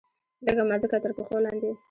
لږه مځکه ترپښو لاندې